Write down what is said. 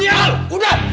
ini yang kita cabut aja